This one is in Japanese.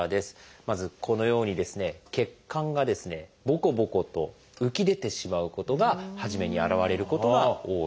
まずこのように血管がボコボコと浮き出てしまうことが初めに現れることが多いんです。